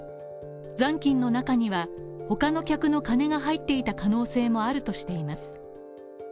残金の中には他の客の金が入っていた可能性もあるとしています。